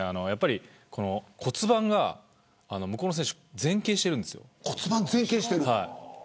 骨盤が向こうの選手は前傾してるんです。